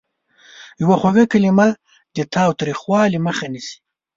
یوه خوږه کلمه د تاوتریخوالي مخه نیسي.